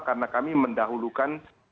karena kami mendahulukan